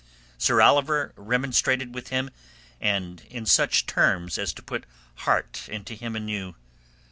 Sir Oliver remonstrated with him and in such terms as to put heart into him anew.